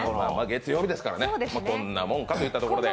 月曜ですからね、こんなもんかといったところで。